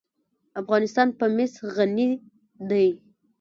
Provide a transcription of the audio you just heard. افغانستان په مس غني دی.